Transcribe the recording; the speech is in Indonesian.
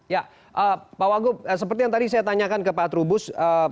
ya pak wagub seperti yang tadi saya tanyakan ke pak trubus